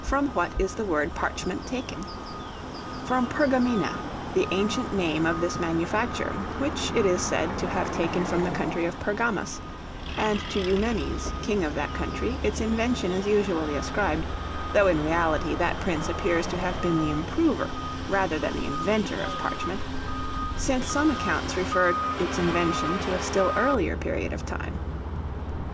From what is the word Parchment taken? From Pergamena, the ancient name of this manufacture, which it is said to have taken from the country of Pergamus; and to Eumenes, king of that country, its invention is usually ascribed, though in reality, that prince appears to have been the improver, rather than the inventor of parchment; since some accounts refer its invention to a still earlier period of time.